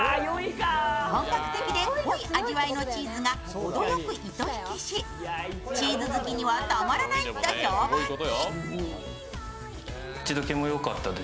本格的で濃い味わいのチーズが程良く糸引きし、チーズ好きにはたまらないと評判に。